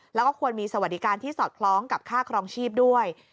แล้วก็ควรมีสวัสดิการที่สอดคล้องกับค่าครองชีพด้วย